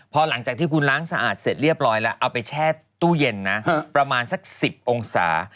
พอหลังจากที่คุณล้างสะอาดเสร็จเรียบร้อยแล้วเอาไปแช่ตู้เย็นนะประมาณสัก๑๐องศา